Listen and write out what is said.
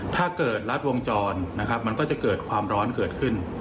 ถ้าเกิดรัดวงจรนะครับมันก็จะเกิดความร้อนเกิดขึ้น